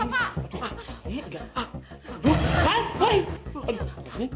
aduh apaan ini